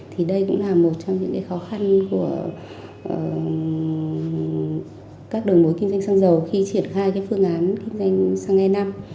thì đây cũng là một trong những khó khăn của các đầu mối kinh doanh xăng dầu khi triển khai cái phương án kinh doanh xăng e năm